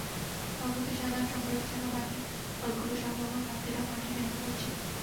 সভাপতি, সাধারণ সম্পাদক ছাড়াও বাকি পদগুলোর সম্ভাব্য প্রার্থীরাও মাঠে নেমে পড়েছেন।